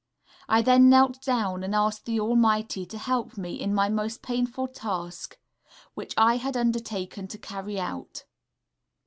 I then knelt down and asked the Almighty to help me in my most painful task, which I had undertaken to carry out....